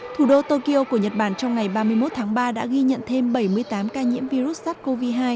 thủ đô tokyo của nhật bản trong ngày ba mươi một tháng ba đã ghi nhận thêm bảy mươi tám ca nhiễm virus sars cov hai